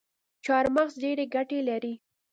چارمغز ډیري ګټي لري